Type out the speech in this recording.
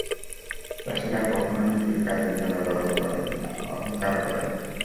চাষিরা কখনো নিজ কাজের জন্য গর্ব করেন না, অহংকারও করেন না।